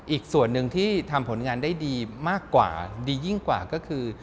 อีกส่วนหนึ่งที่ทำผลงานได้ดีมากกว่าดียิ่งกว่าก็คือ